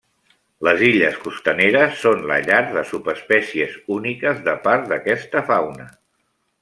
Les illes costaneres són la llar de subespècies úniques de part d'aquesta fauna.